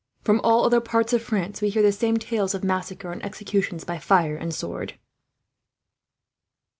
From all other parts of France, we hear the same tales of cruel massacre and executions, by fire and sword."